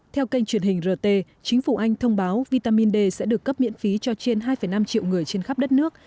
theo kênh truyền hình rt chính phủ anh thông báo vitamin d sẽ được cấp miễn phí cho trên hai năm triệu người trên khắp đất nước